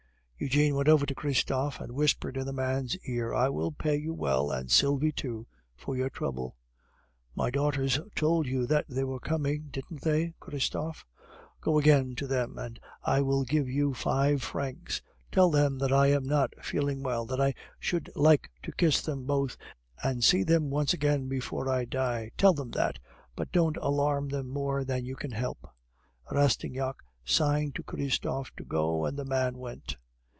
Eugene went over to Christophe and whispered in the man's ear, "I will pay you well, and Sylvie too, for your trouble." "My daughters told you that they were coming, didn't they, Christophe? Go again to them, and I will give you five francs. Tell them that I am not feeling well, that I should like to kiss them both and see them once again before I die. Tell them that, but don't alarm them more than you can help." Rastignac signed to Christophe to go, and the man went.